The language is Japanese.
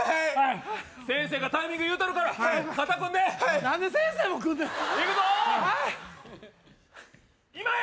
先生がタイミング言うたるから肩組んで何で先生もくんねん？いくぞ今や！